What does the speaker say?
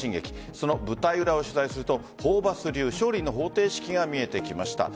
その舞台裏を取材するとホーバス流勝利の方程式が見えてきました。